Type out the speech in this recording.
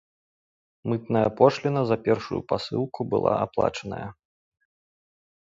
Мытная пошліна за першую пасылку была аплачаная.